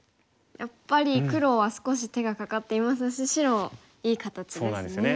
やっぱり黒は少し手がかかっていますし白いい形ですね。